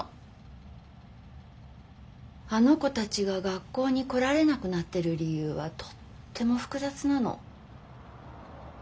あの子たちが学校に来られなくなってる理由はとっても複雑なの。